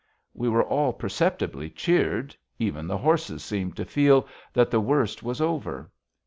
We were all perceptibly cheered; even the horses seemed to feel that the worst was over.